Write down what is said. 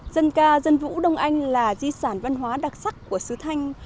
dân ca dân vũ đông anh là di sản văn hóa đặc sắc của sứ thanh